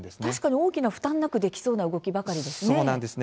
大きな負担がなくできそうな動きばかりですね。